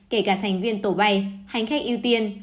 kể cả thành viên tổ bay hành khách ưu tiên